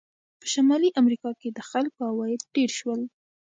په شمالي امریکا کې د خلکو عواید ډېر شول.